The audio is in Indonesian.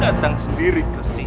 datang sendiri ke sini